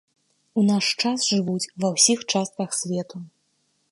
У наш час жывуць ва ўсіх частках свету.